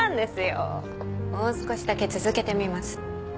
もう少しだけ続けてみます。